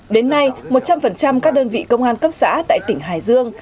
đến nay một trăm linh các đơn vị công an cấp xã tại tỉnh hải dương